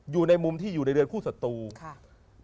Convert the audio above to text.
อยู่ในมุมที่อยู่ในเรือนคู่ศัตรูค่ะ